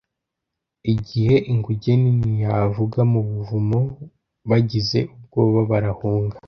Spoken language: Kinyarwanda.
igihe inguge nini yavaga mu buvumo, bagize ubwoba barahunga